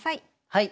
はい。